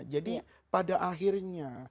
jadi pada akhirnya